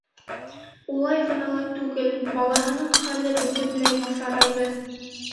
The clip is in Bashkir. Улай ғына ла түгел, балаһының хәле бөтөнләй насарайҙы.